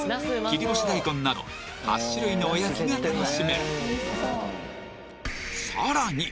切り干し大根など８種類のおやきが楽しめるさらに